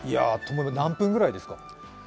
何分ぐらいですか？